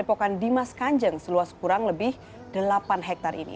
dan menyita padepokan dimas kanjeng seluas kurang lebih delapan hektare ini